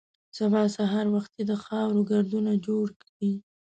سبا سهار وختي د خاورو ګردونه جوړ کړي.